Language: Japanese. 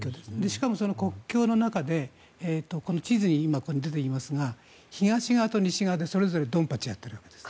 しかもその国境の中で地図に今、出ていますが東側と西側でそれぞれドンパチやっているわけです。